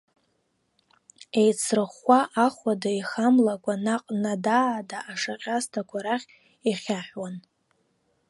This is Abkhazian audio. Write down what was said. Еицрыхәхәа, ахәада ихамлакәа, наҟ нада-аада ашьаҟьасҭақәа рахь ихьаҳәуан.